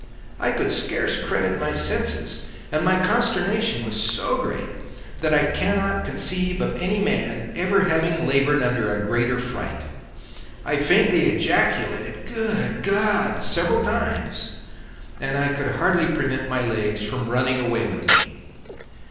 I could scarce credit my senses, and my consternation was so great that I cannot conceive of any man ever having laboured under a greater fright. I faintly ejaculated 'Good God!' several times, and could hardly prevent my legs from running away with me.